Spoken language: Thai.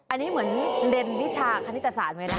อันนี้เหมือนเรียนวิชาคณิตศาสตร์ไว้นะ